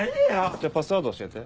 じゃパスワード教えて。